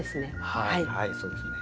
はいそうですね。